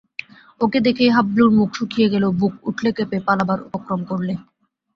ওকে দেখেই হাবলুর মুখ শুকিয়ে গেল, বুক উঠল কেঁপে, পালাবার উপক্রম করলে।